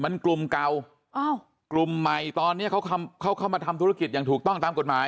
มันกลุ่มเก่ากลุ่มใหม่ตอนนี้เขาเข้ามาทำธุรกิจอย่างถูกต้องตามกฎหมาย